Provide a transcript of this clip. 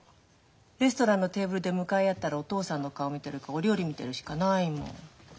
レストランのテーブルで向かい合ったらお父さんの顔見てるかお料理見てるかしかないもん。